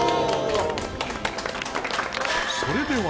それでは。